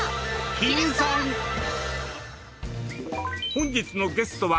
本日のゲストは。